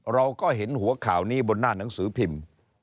เราก็เห็นหัวข่าวนี้บนหน้าหนังสือพิมพ์